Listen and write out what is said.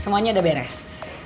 semuanya udah beres